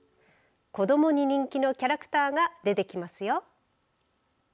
子どもに人気のキャラクターが出てきますよ。